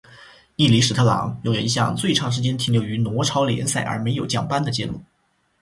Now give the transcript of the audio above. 利尼史特朗拥有一项最长时间停留于挪超联赛而没有降班的纪录。